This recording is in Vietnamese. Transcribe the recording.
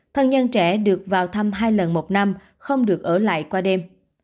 thân nhân trẻ được vào thăm hai lần một năm không được ở lại qua đêm